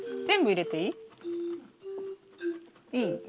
全部入れていい？